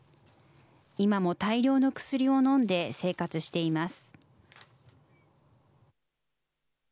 今も大量の薬を飲んで生活しています。